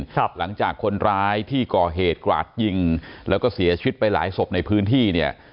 หลังจากคนร้ายที่ก่อเหตุกราดยิงแล้วก็เสียชีวิตไปหลายศพในพื้นที่เนี่ย